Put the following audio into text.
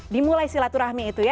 dimulai silaturahmi itu ya